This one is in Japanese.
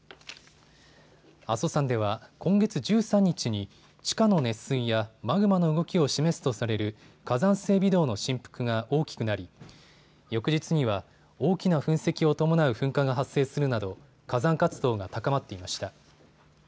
阿蘇山では今月１３日に地下の熱水やマグマの動きを示すとされる火山性微動の振幅が大きくなり翌日には大きな噴石を伴う噴火が発生するなど火山活動が高まっていました。